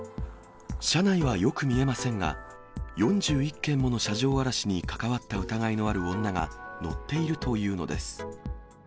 車内はよく見えませんが、４１件もの車上荒らしに関わった疑いのある女が乗っているというのです。